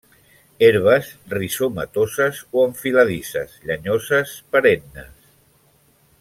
Herbes rizomatoses o enfiladisses, llenyoses, perennes.